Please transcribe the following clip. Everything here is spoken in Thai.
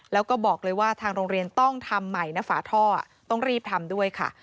แล้วก็บอกเลยว่าทางโรงเรียนต้องทำใหม่นะฝาท่อต้องรีบทำด้วยค่ะ